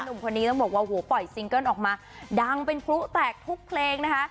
หนุ่มคนนี้ต้องบอกว่าโหปล่อยซิงเกิ้ลออกมาดังเป็นพลุแตกทุกเพลงนะคะ